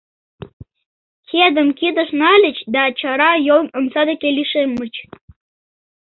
Кедым кидыш нальыч да чара йолын омса деке лишемыч.